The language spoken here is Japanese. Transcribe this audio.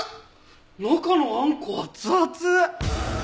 中のあんこ熱々！